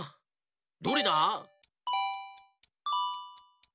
どれだ？